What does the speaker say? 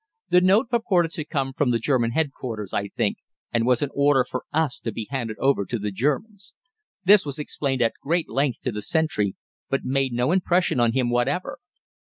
The note purported to come from the German Headquarters, I think, and was an order for us to be handed over to the Germans. This was explained at great length to the sentry, but made no impression on him whatever.